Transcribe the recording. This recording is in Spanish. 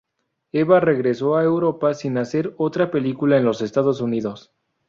Eva regresó a Europa sin hacer otra película en los Estados Unidos.